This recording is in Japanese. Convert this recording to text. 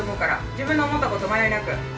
自分の思ったことを迷いなく。